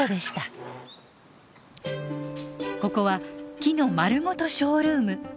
ここは木のまるごとショールーム。